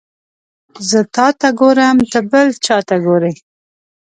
زه تاته ګورم ته بل چاته ګوري